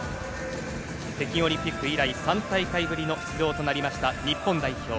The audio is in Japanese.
北京オリンピック以来３大会ぶりの出場となりました日本代表。